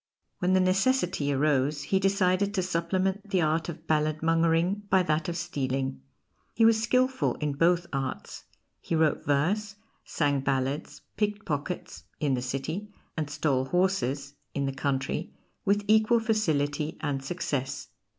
When the necessity arose he decided to supplement the art of balladmongering by that of stealing. He was skilful in both arts: he wrote verse, sang ballads, picked pockets (in the city), and stole horses (in the country) with equal facility and success.